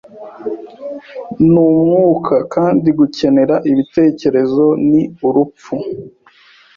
numwuka Kandi gukenera Ibitekerezo ni urupfu;